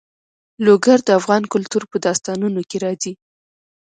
لوگر د افغان کلتور په داستانونو کې راځي.